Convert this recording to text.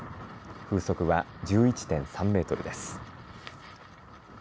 風速は１１．３メートルです。